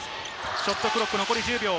ショットクロック残り１０秒。